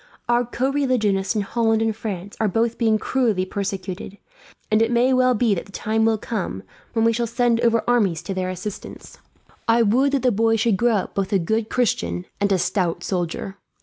Our co religionists in Holland and France are both being cruelly persecuted, and it may well be that the time will come when we shall send over armies to their assistance. "I would that the boy should grow up both a good Christian and a stout soldier.